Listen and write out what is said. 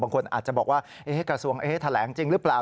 บางคนอาจจะบอกว่ากระทรวงแถลงจริงหรือเปล่า